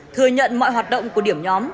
thừa nhận mọi hoạt động của điểm nhóm